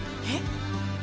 えっ？